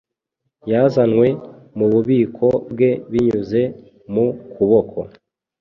Yazanywe mububiko bwe binyuze mu kuboko